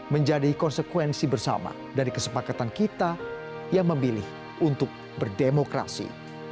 menjadi konsekuensi bersama dari kesepakatan kita yang memilih untuk berdemokrasi